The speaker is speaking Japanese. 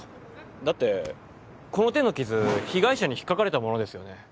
だってこの手の傷被害者に引っかかれたものですよね？